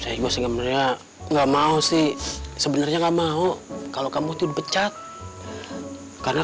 tapi disini dan bagian umpamu gue udah seller dari indonesia